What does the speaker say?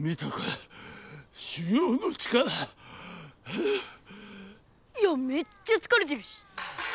いやめっちゃつかれてるし！